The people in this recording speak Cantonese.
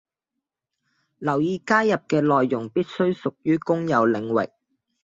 留意加入嘅內容必須屬於公有領域